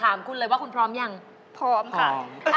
ถามคุณเลยว่าคุณพร้อมยังพร้อมค่ะ